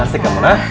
asik kamu lah